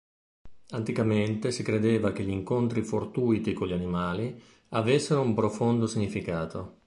Anticamente si credeva che gli incontri fortuiti con gli animali avessero un profondo significato.